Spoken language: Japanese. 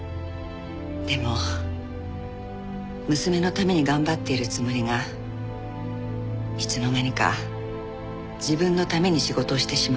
でも娘のために頑張っているつもりがいつの間にか自分のために仕事をしてしまって。